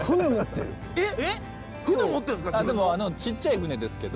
えっ船持ってんですか？